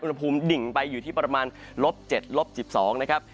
อุณหภูมิดิงไปอยู่ที่ประมาณลบ๗ลบ๑๒นะครับ